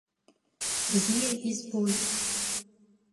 Бзиа избоит.